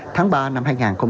tháng ba năm hai nghìn hai mươi